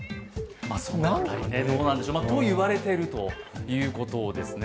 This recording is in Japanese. その辺りどうなんでしょうと、いわれているということですね